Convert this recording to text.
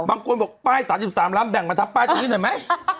บางคนบอกป้าย๓๓ลำแบ่งมาทับป้ายตรงนี้หน่อยไหม